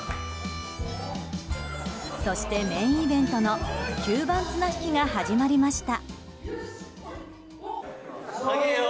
そしてメインイベントの吸盤綱引きが始まりました。